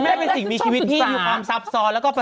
แม่เป็นสิ่งมีชีวิตที่มีความซับซ้อและประเสริฐ